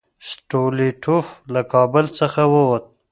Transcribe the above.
سټولیټوف له کابل څخه ووت.